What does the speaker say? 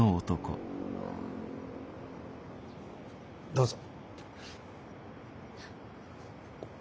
どうぞ。